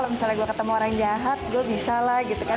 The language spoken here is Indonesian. kalau misalnya gue ketemu orang jahat gue bisa lah gitu kan